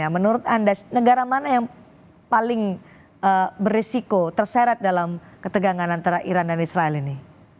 menurut anda negara mana yang paling berisiko terseret dalam ketegangan antara iran dan israel ini